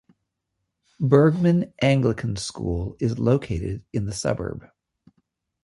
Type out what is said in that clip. Burgmann Anglican School is located in the suburb.